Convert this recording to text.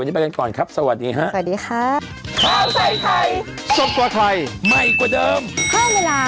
วันนี้บ้างกันก่อนครับสวัสดีค่ะครับสวัสดีค่ะ